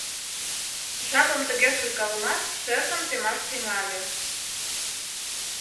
Жапым тыге шуйкалымаш шержым темаш тӱҥале.